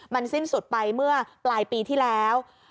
มันสิ้นสุดไปเมื่อปลายปีที่แล้ว